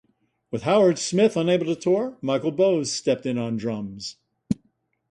With Howard Smith unable to tour, Michael Bowes stepped in on drums.